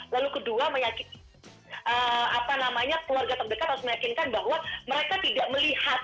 lalu kedua meyakinkan apa namanya keluarga terdekat harus meyakinkan bahwa mereka tidak melihat